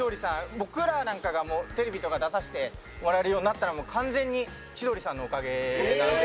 僕らなんかがテレビとか出させてもらえるようになったのも完全に千鳥さんのおかげなので。